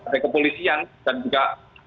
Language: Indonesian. dari kepolisian dan juga